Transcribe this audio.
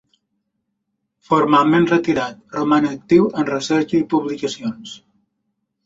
Formalment retirat, roman actiu en recerca i publicacions.